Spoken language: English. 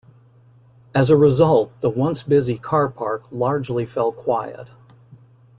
As a result, the once busy car park largely fell quiet.